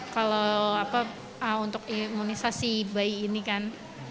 kalau untuk imunisasi bayi ini kan